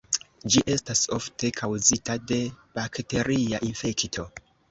Ĝi estas ofte kaŭzita de bakteria infekto.